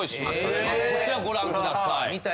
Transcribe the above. こちらご覧ください。